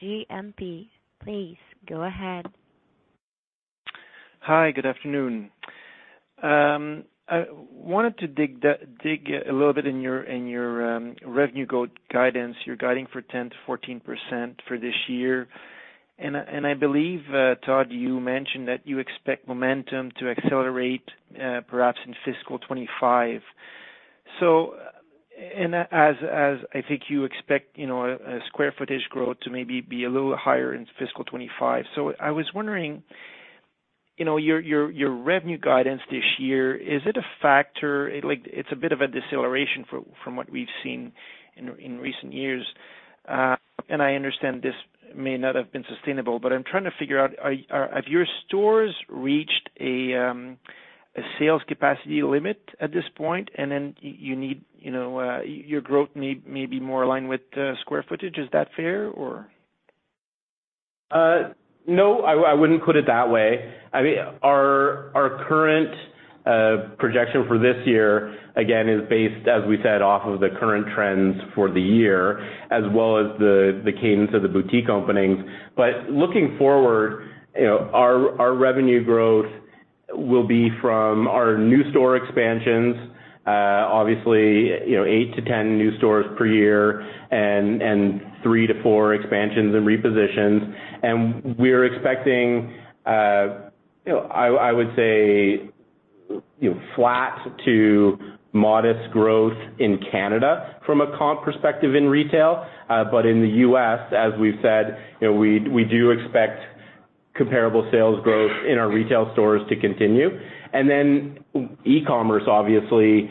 GMP. Please go ahead. Hi. Good afternoon. I wanted to dig a little bit in your revenue guidance. You're guiding for 10%-14% for this year. I believe Todd, you mentioned that you expect momentum to accelerate perhaps in fiscal 2025. As I think you expect, you know, a square footage growth to maybe be a little higher in fiscal 2025. I was wondering, you know, your revenue guidance this year, is it a factor... Like, it's a bit of a deceleration from what we've seen in recent years. I understand this may not have been sustainable, but I'm trying to figure out, have your stores reached a sales capacity limit at this point, and then you need, you know, your growth need may be more aligned with the square footage? Is that fair or? No, I wouldn't put it that way. I mean, our current projection for this year, again, is based, as we said, off of the current trends for the year as well as the cadence of the boutique openings. Looking forward, you know, our revenue growth will be from our new store expansions, obviously, you know, eight to 10 new stores per year and three to four expansions and repositions. We're expecting, you know, I would say, you know, flat to modest growth in Canada from a comp perspective in retail. In the U.S., as we've said, you know, we do expect comparable sales growth in our retail stores to continue. Then eCommerce obviously,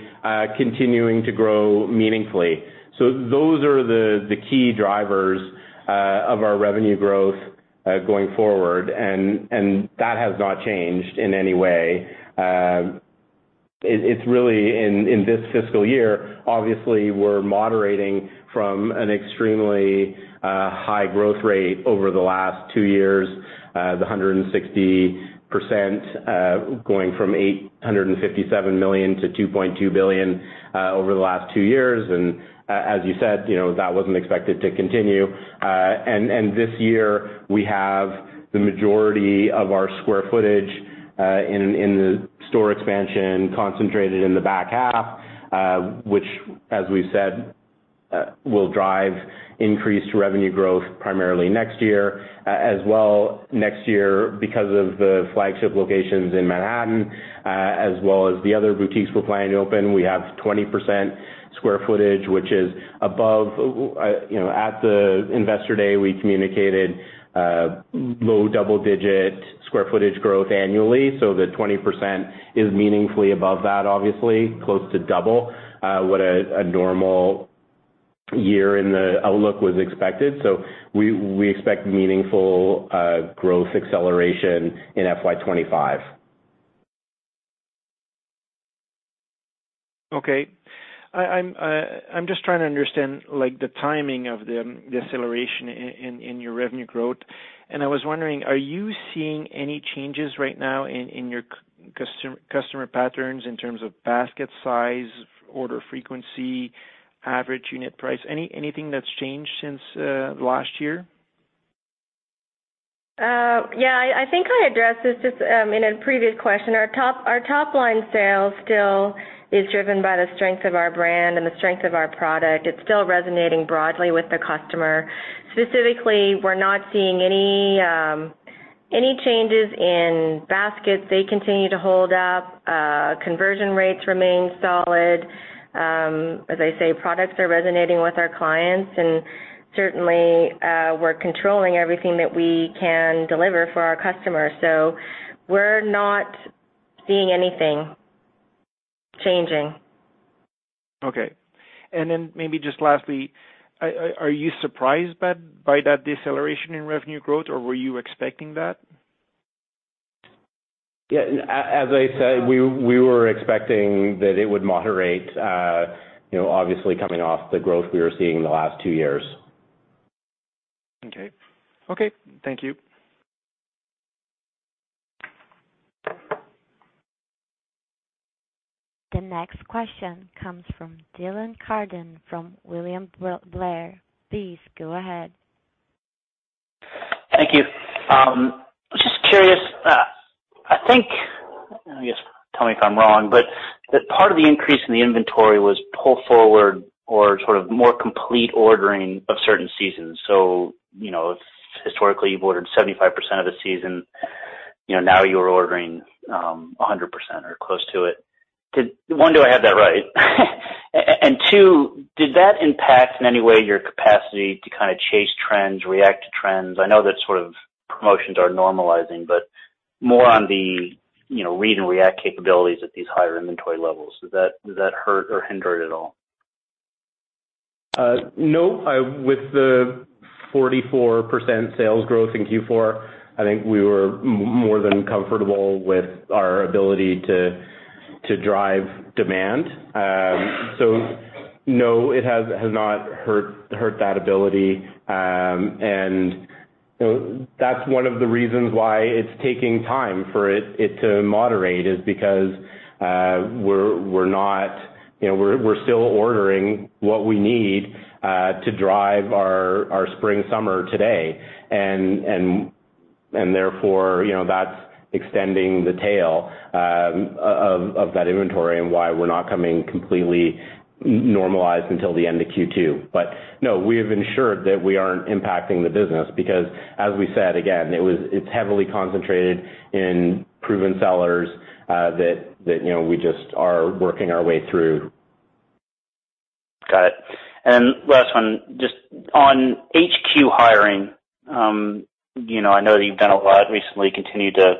continuing to grow meaningfully. Those are the key drivers of our revenue growth going forward. That has not changed in any way. It's really in this fiscal year, obviously, we're moderating from an extremely high growth rate over the last two years, the 160%, going from 857 million-2.2 billion over the last two years. As you said, you know, that wasn't expected to continue. This year, we have the majority of our square footage in the store expansion concentrated in the back half, which as we said, will drive increased revenue growth primarily next year. As well, next year because of the flagship locations in Manhattan, as well as the other boutiques we're planning to open, we have 20% square footage, which is above... You know, at the Investor Day, we communicated low double-digit square footage growth annually. The 20% is meaningfully above that, obviously close to double what a normal year in the outlook was expected. We expect meaningful growth acceleration in FY 25. Okay. I'm just trying to understand, like, the timing of the acceleration in, in your revenue growth. I was wondering, are you seeing any changes right now in your customer patterns in terms of basket size, order frequency, average unit price? Anything that's changed since last year? Yeah. I think I addressed this just in a previous question. Our top-line sales still is driven by the strength of our brand and the strength of our product. It's still resonating broadly with the customer. Specifically, we're not seeing any changes in baskets. They continue to hold up. Conversion rates remain solid. As I say, products are resonating with our clients. Certainly, we're controlling everything that we can deliver for our customers. We're not seeing anything changing. Okay. Then maybe just lastly, are you surprised by that deceleration in revenue growth, or were you expecting that? Yeah. As I said, we were expecting that it would moderate, you know, obviously coming off the growth we were seeing in the last two years. Okay. Thank you. The next question comes from Dylan Carden, from William Blair. Please go ahead. Thank you. Just curious. I guess tell me if I'm wrong, but that part of the increase in the inventory was pulled forward or sort of more complete ordering of certain seasons. You know, historically, you've ordered 75% of the season. You know, now you're ordering, 100% or close to it. one, do I have that right? And two, did that impact in any way your capacity to kinda chase trends, react to trends? I know that sort of promotions are normalizing, but more on the, you know, read and react capabilities at these higher inventory levels. Does that hurt or hinder it at all? No. With the 44% sales growth in Q4, I think we were more than comfortable with our ability to drive demand. No, it has not hurt that ability. You know, that's one of the reasons why it's taking time for it to moderate is because we're not... You know, we're still ordering what we need to drive our spring/summer today. Therefore, you know, that's extending the tail of that inventory and why we're not coming completely normalized until the end of Q2. No, we have ensured that we aren't impacting the business because, as we said again, it's heavily concentrated in proven sellers that, you know, we just are working our way through. Got it. Last one, just on HQ hiring, you know, I know that you've done a lot recently, continued to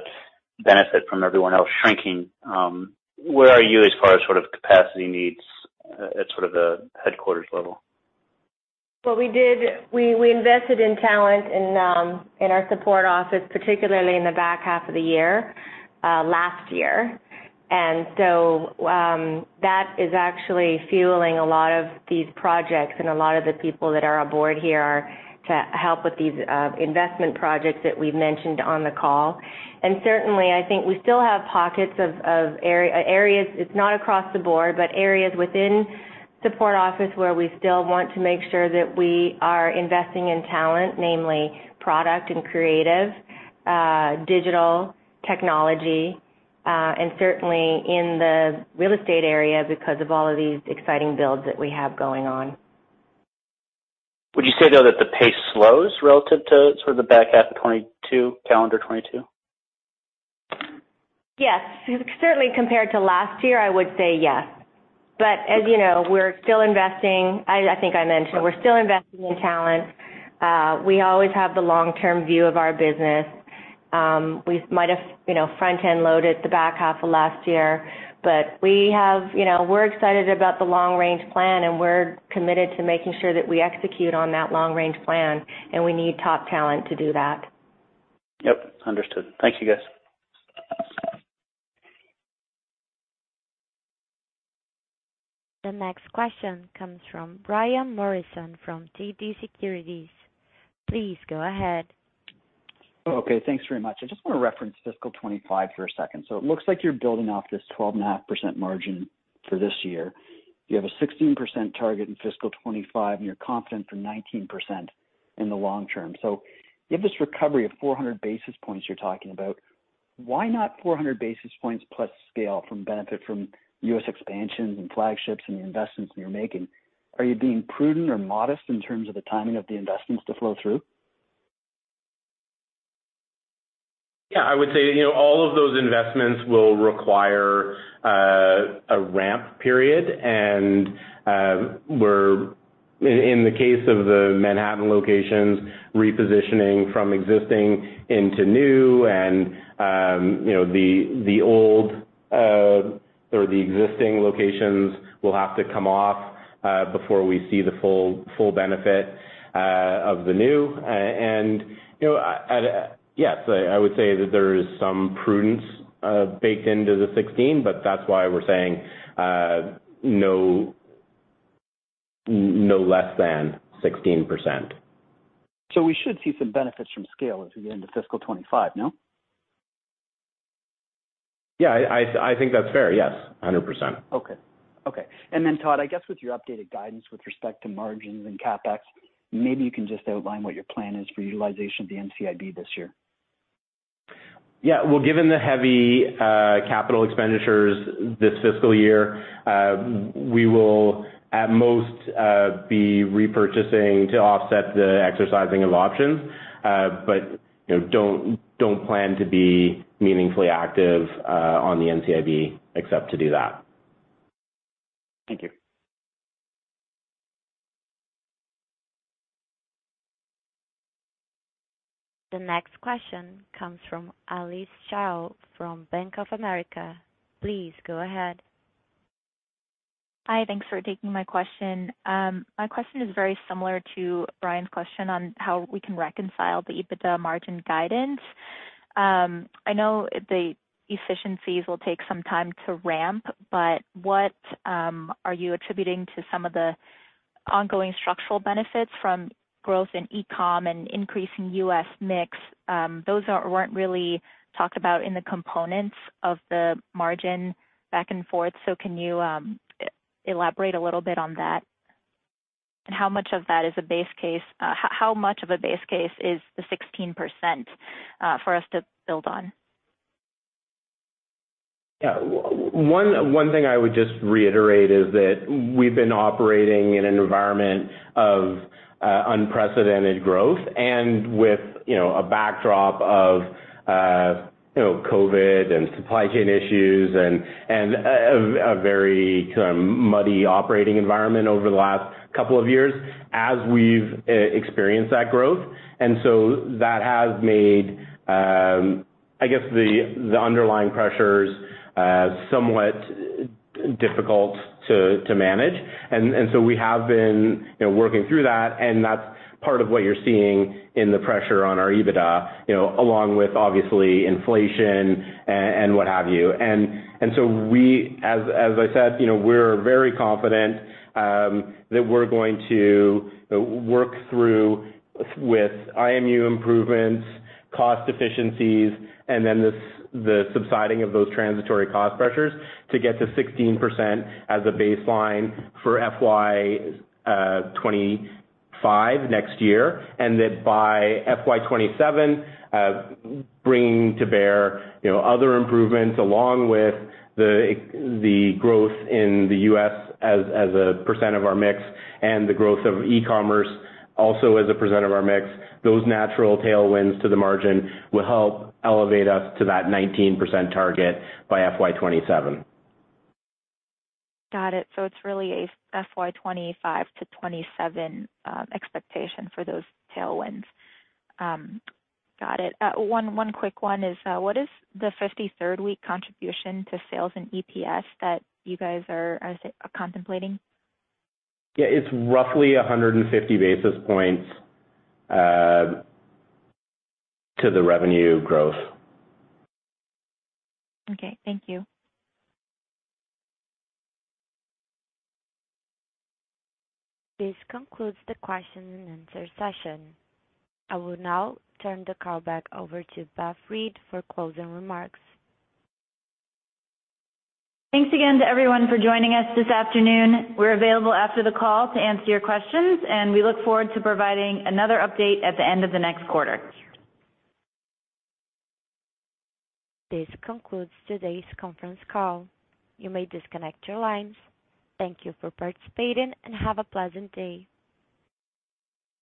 benefit from everyone else shrinking. Where are you as far as sort of capacity needs at sort of the headquarters level? Well, we invested in talent in our support office, particularly in the back half of the year last year. That is actually fueling a lot of these projects and a lot of the people that are aboard here are to help with these investment projects that we've mentioned on the call. Certainly, I think we still have pockets of areas. It's not across the board, but areas within support office where we still want to make sure that we are investing in talent, namely product and creative, digital technology, and certainly in the real estate area because of all of these exciting builds that we have going on. Would you say, though, that the pace slows relative to sort of the back half of 2022, calendar 2022? Yes. Certainly compared to last year, I would say yes. As you know, we're still investing. I think I mentioned, we're still investing in talent. We always have the long-term view of our business. We might have, you know, front-end loaded the back half of last year. We're excited about the long range plan, and we're committed to making sure that we execute on that long range plan, and we need top talent to do that. Yep, understood. Thank you, guys. The next question comes from Brian Morrison from TD Securities. Please go ahead. Okay, thanks very much. I just want to reference fiscal 2025 for a second. It looks like you're building off this 12.5% margin for this year. You have a 16% target in fiscal 2025, and you're confident for 19% in the long term. You have this recovery of 400 basis points you're talking about. Why not 400 basis points plus scale from benefit from U.S. expansions and flagships and the investments that you're making? Are you being prudent or modest in terms of the timing of the investments to flow through? Yeah, I would say, you know, all of those investments will require a ramp period. And we're in the case of the Manhattan locations, repositioning from existing into new and, you know, the old or the existing locations will have to come off before we see the full benefit of the new. And, you know, yes, I would say that there is some prudence baked into the 16, but that's why we're saying no less than 16%. We should see some benefits from scale as we get into fiscal 2025, no? Yeah, I think that's fair. Yes, 100%. Okay. Todd, I guess with your updated guidance with respect to margins and CapEx, maybe you can just outline what your plan is for utilization of the NCIB this year. Yeah. Well, given the heavy capital expenditures this fiscal year, we will at most be repurchasing to offset the exercising of options, but, you know, don't plan to be meaningfully active on the NCIB except to do that. Thank you. The next question comes from Alice Tuan from Bank of America. Please go ahead. Hi, thanks for taking my question. My question is very similar to Brian's question on how we can reconcile the EBITDA margin guidance. I know the efficiencies will take some time to ramp, but what are you attributing to some of the ongoing structural benefits from growth in e-com and increase in U.S. mix? Those weren't really talked about in the components of the margin back and forth. Can you elaborate a little bit on that? How much of that is a base case? How much of a base case is the 16% for us to build on? Yeah. One thing I would just reiterate is that we've been operating in an environment of unprecedented growth and with, you know, a backdrop of, you know, COVID and supply chain issues and a very kind of muddy operating environment over the last couple of years as we've experienced that growth. That has made, I guess the underlying pressures somewhat difficult to manage. We have been, you know, working through that, and that's part of what you're seeing in the pressure on our EBITDA, you know, along with obviously inflation and what have you. As I said, you know, we're very confident that we're going to work through with IMU improvements, cost efficiencies, and then the subsiding of those transitory cost pressures to get to 16% as a baseline for FY 2025 next year. That by FY 2027, bringing to bear, you know, other improvements along with the growth in the U.S. as a percent of our mix and the growth of eCommerce also as a percent of our mix. Those natural tailwinds to the margin will help elevate us to that 19% target by FY 2027. Got it. It's really a FY 2025-2027 expectation for those tailwinds. Got it. One quick one is, what is the 53rd week contribution to sales and EPS that you guys are contemplating? Yeah. It's roughly 150 basis points to the revenue growth. Okay, thank you. This concludes the question and answer session. I will now turn the call back over to Beth Dart for closing remarks. Thanks again to everyone for joining us this afternoon. We're available after the call to answer your questions. We look forward to providing another update at the end of the next quarter. This concludes today's conference call. You may disconnect your lines. Thank you for participating, and have a pleasant day.